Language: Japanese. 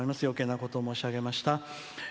よけいなことを申し上げました。